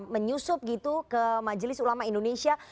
menyusup gitu ke majelis ulama indonesia